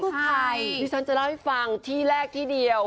ใช่ดิฉันจะเล่าให้ฟังที่แรกที่เดียว